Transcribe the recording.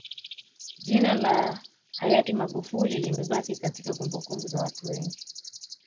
jina la hayari magufuli limebaki katika kumbukumbu za watu wengi